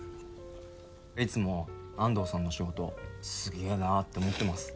いつも安藤さんの仕事すげぇなって思ってます。